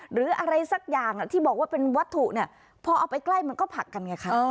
หรืออะไรสักอย่างที่บอกว่าเป็นวัตถุเนี่ยพอเอาไปใกล้มันก็ผักกันไงคะ